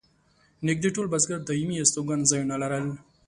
نږدې ټول بزګر دایمي استوګن ځایونه لرل.